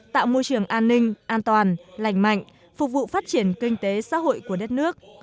tạo môi trường an ninh an toàn lành mạnh phục vụ phát triển kinh tế xã hội của đất nước